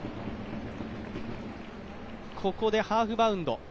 ここでハーフバウンド。